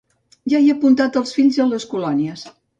Ja he apuntat els fills a les colònies.